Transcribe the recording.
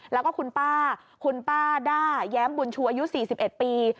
แล้วก็คุณป้าคุณป้าด้าแย้มบุญชูอายุ๔๑ปี